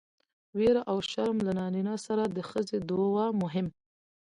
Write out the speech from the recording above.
ويره او شرم له نارينه سره د ښځې دوه مهم